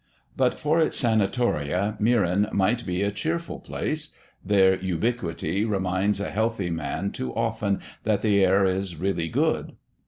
But for its sanatoria, Meran might be a cheerful place; their ubiquity reminds a healthy man too often that the air is really good.